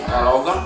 kalau enggak buang